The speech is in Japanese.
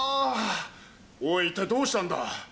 おい一体どうしたんだ？